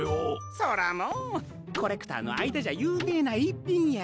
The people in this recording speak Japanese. そらもうコレクターのあいだじゃゆうめいないっぴんや。